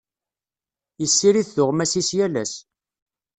Yessirid tuɣmas-is yal ass.